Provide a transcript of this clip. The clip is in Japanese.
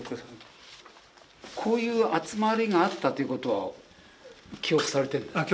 こういう集まりがあったということは記憶されてるんですか？